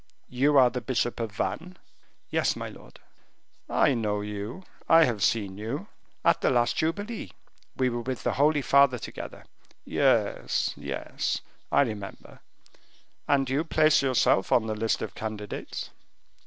You are the bishop of Vannes?" "Yes, my lord." "I know you, I have seen you." "At the last jubilee, we were with the Holy Father together." "Yes, yes, I remember; and you place yourself on the list of candidates?"